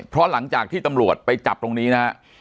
เพราะหลังจากที่ตำรวจไปจับตรงนี้นะฮะ